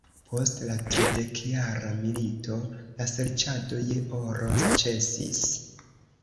Post la Tridekjara milito la serĉado je oro ĉesis.